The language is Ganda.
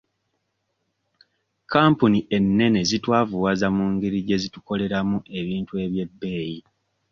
Kampuni ennene zitwavuwaza mu ngeri gye zitukoleramu ebintu eby'ebbeeyi.